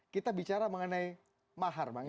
kita bicara mengenai mahar bang